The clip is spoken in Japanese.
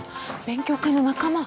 勉強会の仲間。